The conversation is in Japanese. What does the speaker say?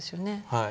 はい。